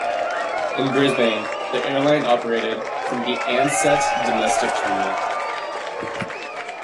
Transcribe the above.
In Brisbane, the airline operated from the Ansett Domestic terminal.